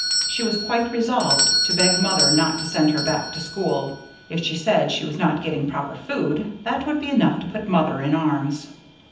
She was quite resolved to beg Mother not to send her back to school: if she said she was not getting proper food, that would be enough to put Mother up in arms.